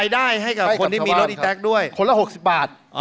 ได้หมดเลย